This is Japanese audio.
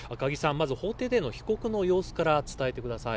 まず法廷での被告の様子から伝えてください。